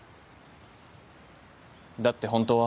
だって本当は。